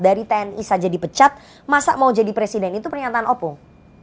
dari tni saja dipecat masa mau jadi presiden itu pernyataan opung